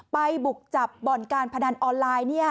ไปปกจับบ่อนการพนันออนไลน์เนี่ย